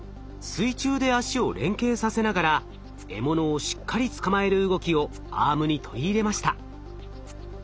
水中であしを連携させながら獲物をしっかり捕まえる動きをアームに取り入れました。